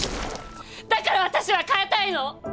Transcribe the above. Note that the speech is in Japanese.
だから私は変えたいの！